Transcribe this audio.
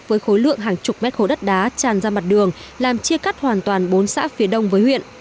với khối lượng hàng chục mét khối đất đá tràn ra mặt đường làm chia cắt hoàn toàn bốn xã phía đông với huyện